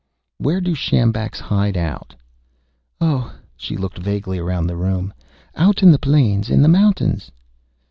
'" "Where do the sjambaks hide out?" "Oh," she looked vaguely around the room, "out on the plains. In the mountains."